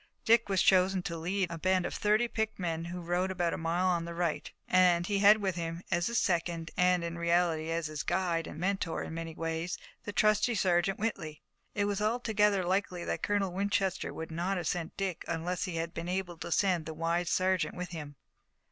Dick was chosen to lead a band of thirty picked men who rode about a mile on the right, and he had with him as his second, and, in reality, as his guide and mentor in many ways, the trusty Sergeant Whitley. It was altogether likely that Colonel Winchester would not have sent Dick unless he had been able to send the wise sergeant with him.